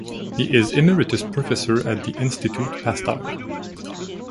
He is Emeritus Professor at the Institut Pasteur.